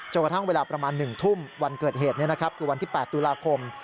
กระทั่งเวลาประมาณ๑ทุ่มวันเกิดเหตุคือวันที่๘ตุลาคม